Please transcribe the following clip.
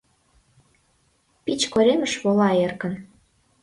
Пич коремыш вола эркын.